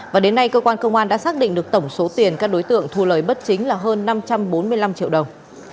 và đến nay cơ quan công an đã xác định được tổng số tiền các đối tượng thu lời bất chính là hơn năm trăm bốn mươi năm triệu đồng